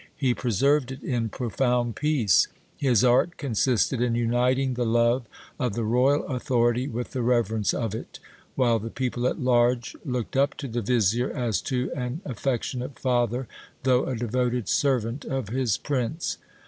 He preserved it in profound peace. His art consisted in uniting the love of the royal authority with the reverence of it ; while the people at large looked up to the vizier as to an af fectionate father, though a devoted servant of his prince.